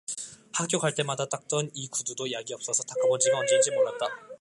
학교 갈 때마다 닦던 이 구두도 약이 없어서 닦아 본 지가 언제인지 몰랐다.